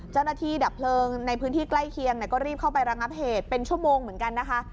ดับเพลิงในพื้นที่ใกล้เคียงก็รีบเข้าไประงับเหตุเป็นชั่วโมงเหมือนกันนะคะ